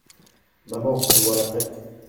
Maman, me voilà prête.